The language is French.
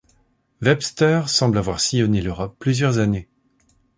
Webster semble avoir sillonné l'Europe plusieurs années.